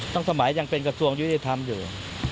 สมัยยังเป็นกระทรวงยุติธรรมอยู่